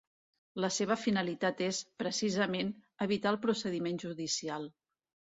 La seva finalitat és, precisament, evitar el procediment judicial.